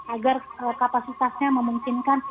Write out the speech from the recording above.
agar kapasitasnya memungkinkan